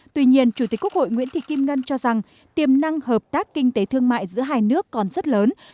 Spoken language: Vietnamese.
tuy nhiên chủ tịch quốc hội nguyễn thị kim ngân cho rằng tiềm năng hợp tác kinh tế thương mại giữa hai nước còn rất lớn